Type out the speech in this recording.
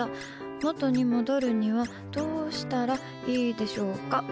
元に戻るにはどうしたらいいでしょうか？